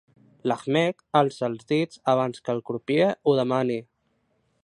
L'Ahmed alça el dit abans que el crupier ho demani.